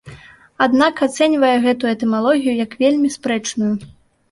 Аднак ацэньвае гэту этымалогію як вельмі спрэчную.